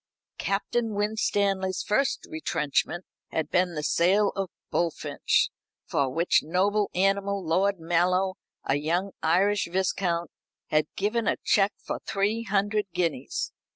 Captain Winstanley's first retrenchment had been the sale of Bullfinch, for which noble animal Lord Mallow, a young Irish viscount, had given a cheque for three hundred guineas.